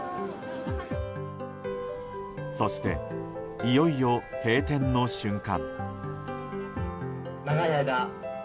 そして、いよいよ閉店の瞬間。